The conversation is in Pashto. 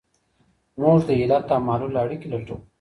موږ د علت او معلول اړیکي لټوو.